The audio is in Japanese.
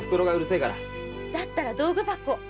だったら道具箱。